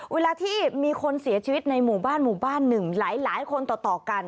เวลาที่มีคนเสียชีวิตในหมู่บ้านหมู่บ้านหนึ่งหลายคนต่อกัน